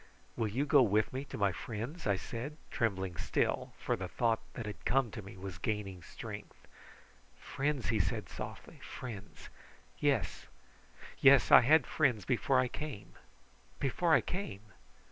"Will you go with me to my friends?" I said, trembling still, for the thought that had come to me was gaining strength. "Friends!" he said softly; "friends! Yes, I had friends before I came before I came!"